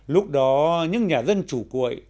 lúc đó những nhà dân chủ cuội